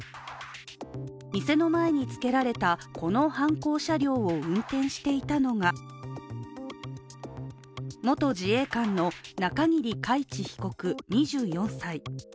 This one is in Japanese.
店の前につけられたこの犯行車両を運転していたのが、元自衛官の中桐海知被告、２４歳。